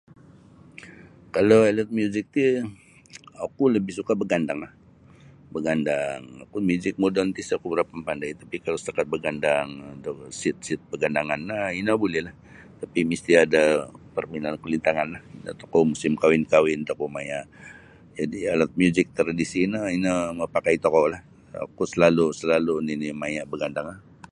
Kalau alat muzik ti oku lebih suka begandanglah. Begandang oku muzik moden ti sa berapa mampandai tapi kalau setakat begandang atau set-set pagandangannyo ino bulilah tapi misti ada permainan kulintanganlah tokou musim kawin-kawin tokou maya. Jadi alat muzik tradisinyo sino ino mampakai tokou lah. Oku selalu selalu nini maya begandanglah.